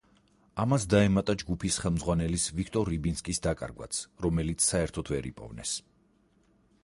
ამას დაემატა ჯგუფის ხელმძღვანელის ვიქტორ რიბინსკის დაკარგვაც რომელიც საერთოდ ვერ იპოვნეს.